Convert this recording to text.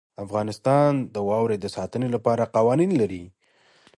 افغانستان د واوره د ساتنې لپاره قوانین لري.